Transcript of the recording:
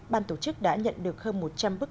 ban tổ chức đã nhận được hơn một trăm linh bức